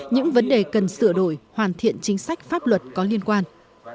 những vấn đề cần sửa đổi hoàn thiện chính sách pháp luật có liên quan